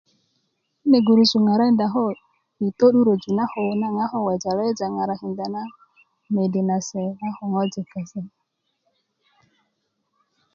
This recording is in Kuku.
kine gurusu ŋarakinda koo yi turöju na koo naŋ a ko wejale wejale weja ŋarakinda mede nase na a ko ŋojik kase